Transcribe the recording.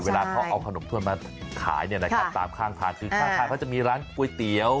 เวลาเขาเอาขนมถ้วยมาขายเนี่ยนะครับตามข้างทางคือข้างทางเขาจะมีร้านก๋วยเตี๋ยว